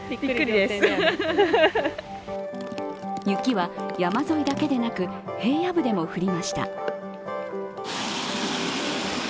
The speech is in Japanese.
雪は山沿いだけでなく平野部でも降りました。